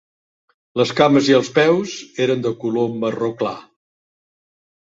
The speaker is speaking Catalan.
Les cames i els peus eren de color marró clar.